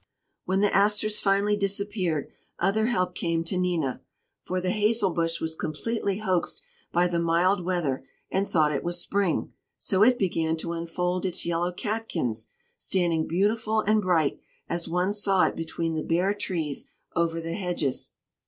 When the asters finally disappeared, other help came to Nina; for the hazel bush was completely hoaxed by the mild weather and thought it was spring; so it began to unfold its yellow catkins, standing beautiful and bright, as one saw it between the bare trees over the hedges.